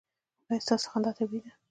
ایا ستاسو خندا طبیعي ده؟